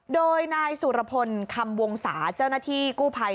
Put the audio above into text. โดยนายสุรพลคำวงศาเจ้าหน้าที่กู้ภัย